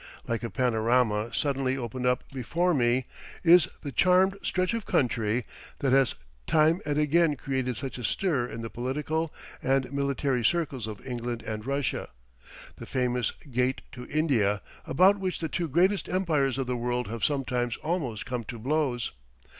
Like a panorama suddenly opened up before me is the charmed stretch of country that has time and again created such a stir in the political and military circles of England and Russia, the famous "gate to India" about which the two greatest empires of the world have sometimes almost come to blows.